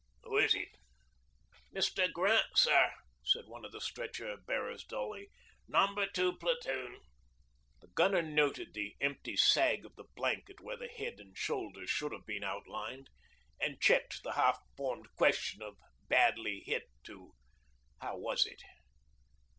'Who is it?' 'Mr. Grant, sir,' said one of the stretcher bearers dully. 'No. 2 Platoon.' The gunner noted the empty sag of the blanket where the head and shoulders should have been outlined and checked the half formed question of 'Badly hit?' to 'How was it?'